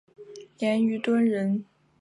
严虞敦人。